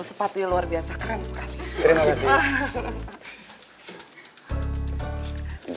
sepatunya luar biasa keren kan